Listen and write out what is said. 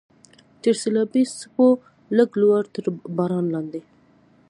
تر سیلابي څپو لږ لوړ، تر باران لاندې.